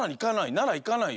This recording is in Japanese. ならいかないよ。